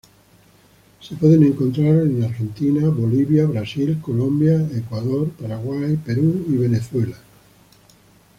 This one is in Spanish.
Se puede encontrar en Argentina, Bolivia, Brasil, Colombia, Ecuador, Paraguay, Perú y Venezuela.